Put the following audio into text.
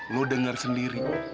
lo dengar sendiri